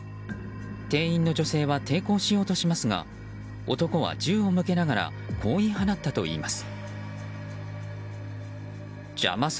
店員の女性は抵抗しようとしますが男は銃を向けながらこう言い放ったといいます。